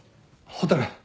蛍。